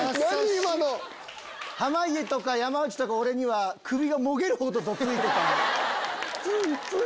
濱家とか山内とか俺には首がもげるほどどついてた。